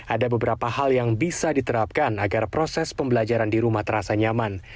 ada beberapa hal yang bisa diterapkan agar proses pembelajaran di rumah terasa nyaman